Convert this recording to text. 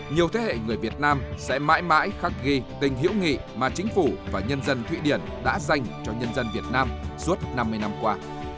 nhiều thế hệ người việt nam sẽ mãi mãi khắc ghi tình hữu nghị mà chính phủ và nhân dân thụy điển đã dành cho nhân dân việt nam suốt năm mươi năm qua